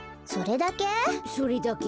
それだけ？